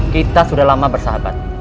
kita sudah lama bersahabat